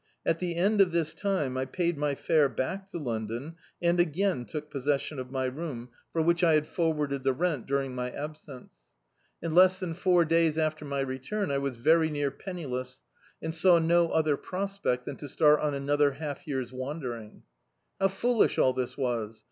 At the end of this time I paid my fare back to London, and again took possession of my room, for which I had for^ D,i.,.db, Google False Hopes warded the rent during my abseace. In less than four days after my return, I was very near penni less, and saw no other prospect than to start on another half year's wandering. How foolish all this was